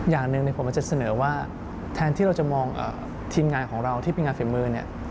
อย่างหนึ่งผมจะเสนอว่าแทนที่เราจะมองทีมงานของเราที่เป็นงานฝีมือเนี่ย